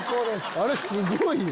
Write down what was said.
あれすごい！